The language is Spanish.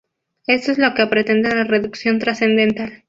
Esto es lo que pretende la reducción trascendental.